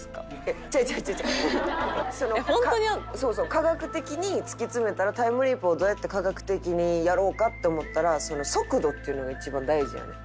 科学的に突き詰めたらタイムリープをどうやって科学的にやろうかって思ったら速度っていうのが一番大事やねん。